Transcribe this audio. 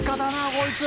こいつ。